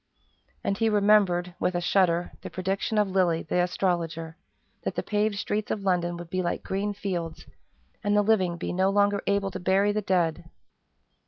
And he remembered, with a shudder, the prediction of Lilly, the astrologer, that the paved streets of London would be like green fields, and the living be no longer able to bury the dead.